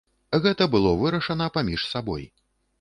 Гэта было вырашана паміж сабой.